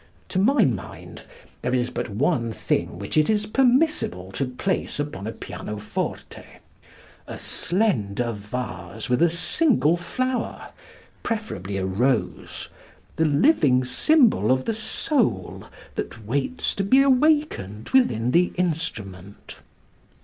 To my mind, there is but one thing which it is permissible to place upon a pianoforte, a slender vase with a single flower, preferably a rose the living symbol of the soul that waits to be awakened within the instrument.